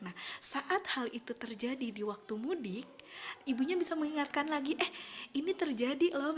nah saat hal itu terjadi di waktu mudik ibunya bisa mengingatkan lagi eh ini terjadi loh